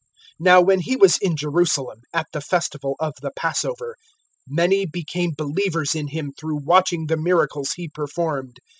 002:023 Now when He was in Jerusalem, at the Festival of the Passover, many became believers in Him through watching the miracles He performed.